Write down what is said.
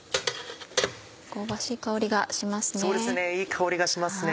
香ばしい香りがしますね。